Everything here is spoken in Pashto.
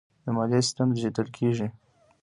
د مالیې سیستم ډیجیټل کیږي